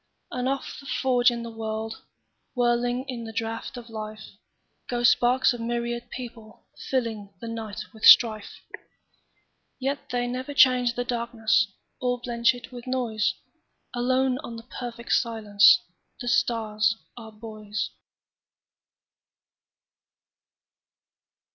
And off the forge of the world, Whirling in the draught of life, Go sparks of myriad people, fillingThe night with strife. Yet they never change the darknessOr blench it with noise; Alone on the perfect silenceThe stars are buoys.